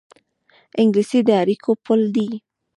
انګلیسي د اړیکو پُل دی